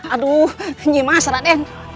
aduh nyimas raden